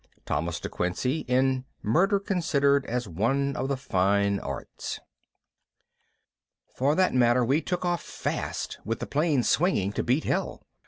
_ Thomas de Quincey in Murder Considered as One of the Fine Arts For that matter we took off fast with the plane swinging to beat hell.